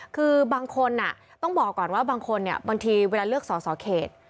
คือบางคนต้องบอกก่อนว่าบางคนบางทีเวลาเลือกสอสอเขต